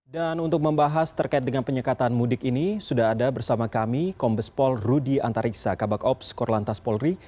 dan untuk membahas terkait dengan penyekatan mudik ini sudah ada bersama kami kombespol rudy antariksa kabak ops korlantas polri